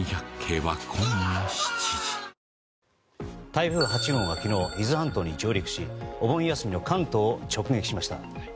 台風８号が昨日伊豆半島に上陸しお盆休みの関東を直撃しました。